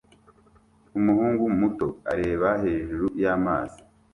umuhungu muto areba hejuru y'amazi